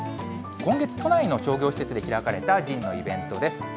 今月、都内の商業施設で開かれたＺＩＮＥのイベントです。